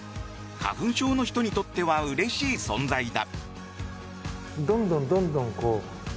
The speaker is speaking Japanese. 花粉症の人にとってはうれしい存在だ。